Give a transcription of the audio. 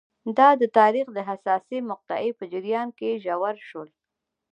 دا د تاریخ د حساسې مقطعې په جریان کې ژور شول.